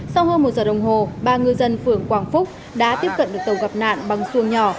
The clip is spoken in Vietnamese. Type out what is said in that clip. sau hơn một giờ đồng hồ ba ngư dân phường quảng phúc đã tiếp cận được tàu gặp nạn bằng xuồng nhỏ